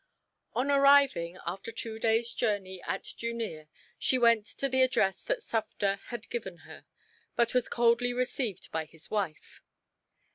On arriving, after two days' journey, at Jooneer, she went to the address that Sufder had given her; but was coldly received by his wife.